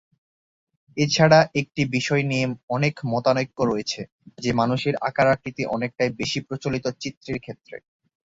এছাড়া একটি বিষয় নিয়ে অনেক মতানৈক্য রয়েছে যে মানুষের আকার আকৃতি অনেকটাই বেশি প্রচলিত চিত্রের ক্ষেত্রে।